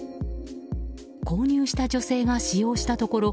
購入した女性が使用したところ